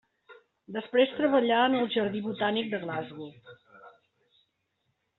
Després treballà en el Jardí Botànic de Glasgow.